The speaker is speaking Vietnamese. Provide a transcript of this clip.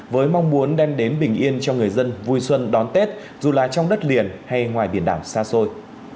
với mong muốn đem đến bình yên cho người dân vui xuân đón tết dù là trong đất liền hay ngoài biển đảo xa xôi